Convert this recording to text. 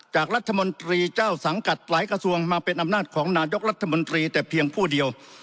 จากรัฐมนตรีเจ้าสังกัดหลายกระทรวงมาเป็นอำนาจของนายกรัฐมนตรีแต่เพียงผู้เดียว